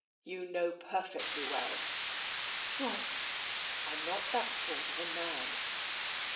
You know perfectly well.' 'What?' 'I'm not that sort of man.'